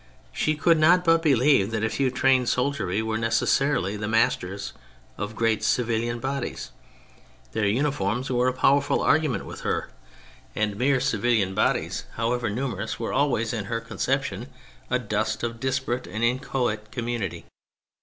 She could not but believe that a few trained soldierv were necessarily the masters of great civilian bodies ; their uniforms were a powerful argument with her, and mere civilian bodies, 50 THE FRENCH REVOLUTION however numerous, were always, in her con ception, a dust of disparate and inchoate humanity.